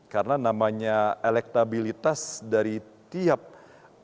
karena namanya elektabilitas dari tiap capai